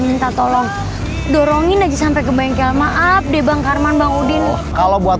minta tolong dorongin lagi sampai ke bengkel maaf deh bang karman bang udin kalau buat